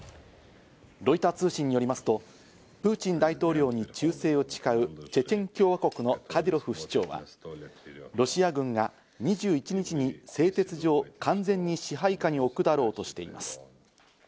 ロイター通信によりますと、プーチン大統領に忠誠を誓うチェチェン共和国のカディロフ首長はロシア軍が２１日に製鉄所を完全に支配下に置くだろうとしています。